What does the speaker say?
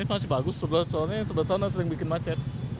ini masih bagus soalnya sebelah sana sering bikin macet